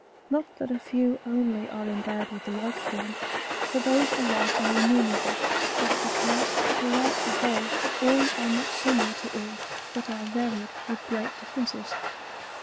Not that a few only are endowed with like ^otm, for those alihe areinnumerable, hut because, through out the whole,^ all are not similar to all, but are varied with great differences.